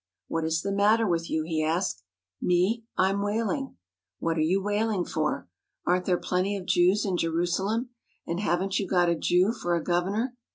"What is the matter with you?" he asked. "Me? I'm wailing!" "What are you wailing for? Aren't there plenty of Jews in Jerusalem? And haven't you got a Jew for a governor?"